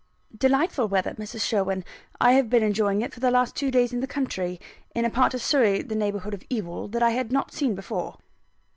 "Delightful weather, Mrs. Sherwin. I have been enjoying it for the last two days in the country in a part of Surrey (the neighbourhood of Ewell) that I had not seen before."